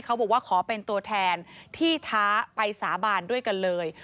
เขาบอกว่าขอเป็นตัวแทนที่ท้าไปสาบานด้วยกันเลย